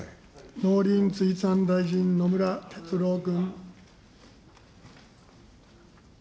農林水産大臣、野村哲郎君。